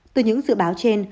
từ những dự báo trên